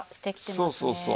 そうそうそう。